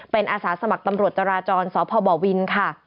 เป็นอาสาสมัครตำรวจจราจรสพบวินค่ะ